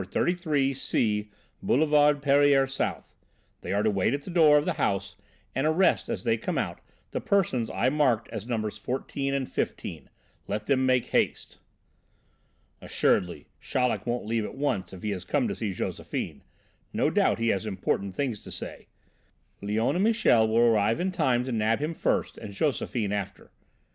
33 C Boulevard Pereire South. They are to wait at the door of the house and arrest as they come out the persons I marked as numbers 14 and 15. Let them make haste." "Assuredly Chaleck won't leave at once if he has come to see Josephine; no doubt he has important things to say. Léon and Michel will arrive in time to nab him first and Josephine after.